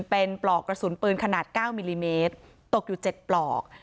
เป็นปลอกกระสุนปืนขนาด๙มิลลิเมตรตกอยู่๗ปลอก